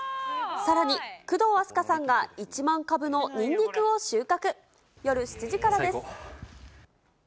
さらに工藤阿須加さんが１万株のニンニクを収穫。